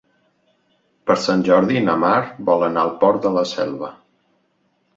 Per Sant Jordi na Mar vol anar al Port de la Selva.